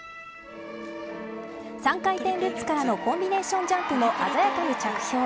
３回転ルッツからのコンビネーションジャンプも鮮やかに着氷。